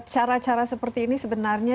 cara cara seperti ini sebenarnya